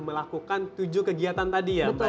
melakukan tujuh kegiatan tadi ya